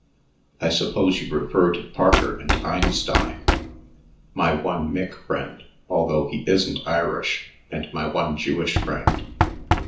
"I suppose you refer to Parker and Einstein my one mick friend, although he isn't Irish, and my, one Jewish friend.